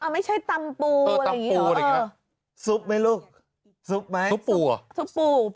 ไม่ใช่ตำปูอะไรอย่างนี้หรอเออสุปไหมลูกสุปไหมสุปปู